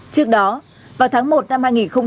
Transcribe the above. trước đó vào tháng một năm hai nghìn một mươi chín